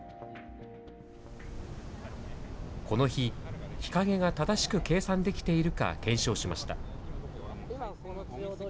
この日、日陰が正しく計算できているか検証しました。